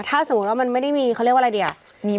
ถ้าสมมุติว่ามันไม่ได้มีเขาเรียกว่าอะไรดีอ่ะ